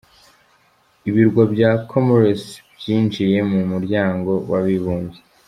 Ibirwa bya Comores byinjiye mu muryango w’abibumbye.